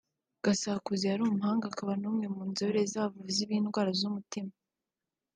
Gasakure yari umuhanga akaba n’umwe mu nzobere z’ubavuzi b’indwara z’umutima